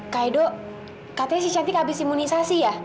kak edo katanya si cantik habis imunisasi ya